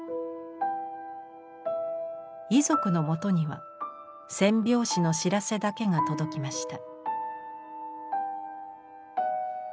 遺族のもとには戦病死の知らせだけが届きました。